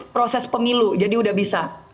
proses pemilu jadi udah bisa